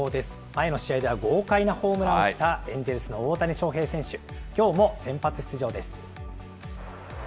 前の試合では、豪快なホームランを打ったエンジェルスの大谷翔平選手、きょうも先発出場です。